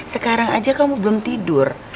sekarang aja kamu belum tidur